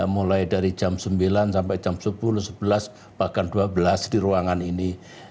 mulai dari jam sembilan sampai jam sepuluh sebelas bahkan dua belas di ruangan ini